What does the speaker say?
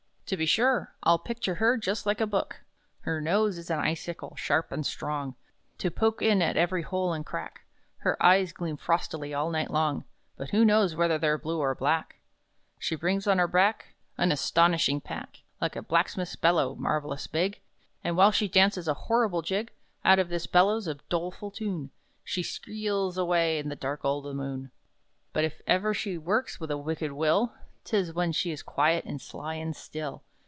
"To be sure! I'll picture her just like a book. Her nose is an icicle, sharp and strong, To poke in at every hole and crack; Her eyes gleam frostily all night long But who knows whether they're blue or black? "She brings on her back An astonishing pack. Like a blacksmith's bellows, marvellous big; And while she dances a horrible jig, Out of this bellows a doleful tune She skre eels away, in the dark o' the Moon! "But if ever she works with a wicked will, 'Tis when she is quiet, and sly, and still.